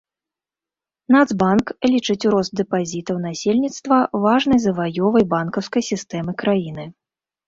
Нацбанк лічыць рост дэпазітаў насельніцтва важнай заваёвай банкаўскай сістэмы краіны.